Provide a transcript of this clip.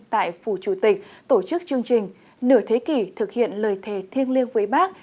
tại phủ chủ tịch tổ chức chương trình nửa thế kỷ thực hiện lời thề thiêng liêng với bác